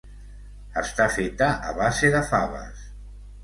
Està feta a base de faves.